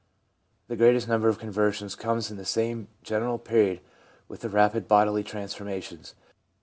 The greatest number of conversions comes in the same general period with the rapid bodily transformations.